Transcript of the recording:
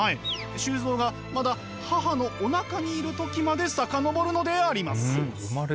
周造がまだ母のおなかにいる時まで遡るのであります。